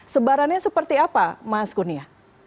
sebarannya seperti apa mas kurnia